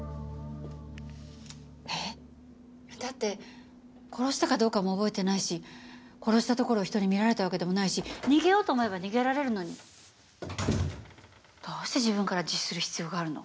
えっ？だって殺したかどうかも覚えてないし殺したところを人に見られたわけでもないし逃げようと思えば逃げられるのにどうして自分から自首する必要があるの？